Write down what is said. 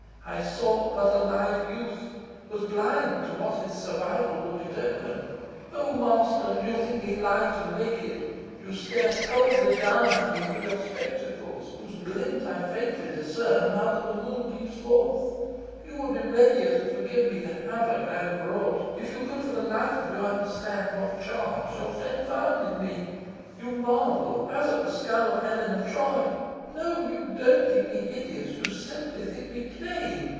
I sought but a live youth, was blind to what his survival would betoken. Oh master, you think me light and wicked. You stare coldly down at me through your spectacles, whose glint I faintly discern now that the moon peeps forth. You would be readier to forgive me the havoc I have wrought if you could for the life of you understand what charm your friends found in me. You marvel, as at the skull of Helen of Troy. No, you don't think me hideous: you simply think me plain.